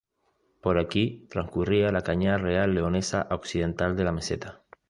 Por aquí transcurría la Cañada Real Leonesa Occidental de la Mesta.